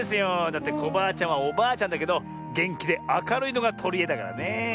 だってコバアちゃんはおばあちゃんだけどげんきであかるいのがとりえだからねえ。